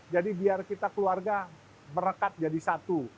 jadi biar kita keluarga merekat jadi satu